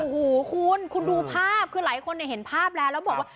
โอ้โหคุณคุณดูภาพคือหลายคนเห็นภาพแล้วแล้วบอกว่า